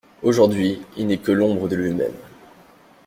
Aujourd'hui, il n'est que l'ombre de lui-même.